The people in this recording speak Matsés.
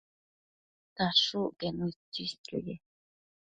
dashucquenu itsisquio ye